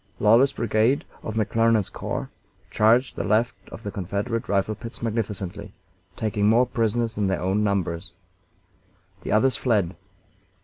Lawler's brigade, of McClernand's corps, charged the left of the Confederate rifle pits magnificently, taking more prisoners than their own numbers. The others fled.